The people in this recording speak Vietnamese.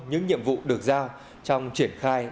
những nhiệm vụ được giao trong triển khai đề án